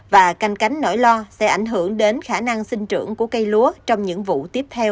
và canh cánh nổi lo sẽ ảnh hưởng đến khả năng sinh trưởng của cây lúa trong những vụ tiếp theo